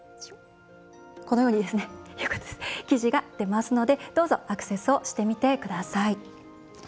このように記事が出ますのでどうぞアクセスをしてみてください。